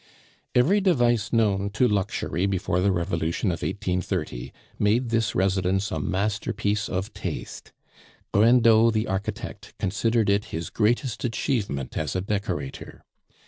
Every device known to luxury before the Revolution of 1830 made this residence a masterpiece of taste. Grindot the architect considered it his greatest achievement as a decorator.